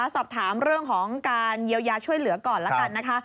สอบถามเรื่องของการเยียวยาช่วยเหลือก่อนละกันนะคะ